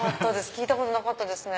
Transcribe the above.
聞いたことなかったですね。